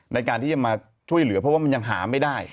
ในการที่จะมาช่วยเหลือเพราะว่ามันยังหาไม่ได้